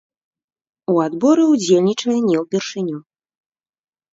У адборы ўдзельнічае не ўпершыню.